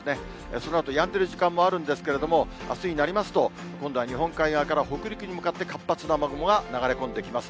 そのあとやんでる時間もあるんですけれども、あすになりますと、今度は日本海側から北陸に向かって活発な雨雲が流れ込んできます。